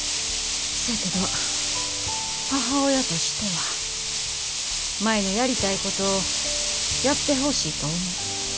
そやけど母親としては舞のやりたいことやってほしいと思う。